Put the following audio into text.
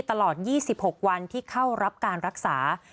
ตลอด๒๖วันที่เข้ารับการรักษา